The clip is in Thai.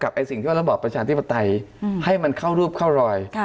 ไอ้สิ่งที่ระบอบประชาธิปไตยให้มันเข้ารูปเข้ารอย